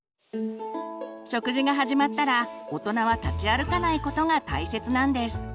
食事が始まったら大人は立ち歩かないことが大切なんです。